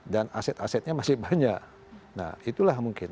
dan aset asetnya masih banyak nah itulah mungkin